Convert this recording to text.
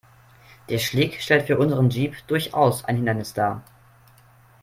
Der Schlick stellt für unseren Jeep durchaus ein Hindernis dar.